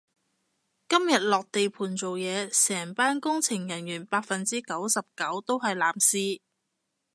今日落地盤做嘢，成班工程人員百分之九十九都係男士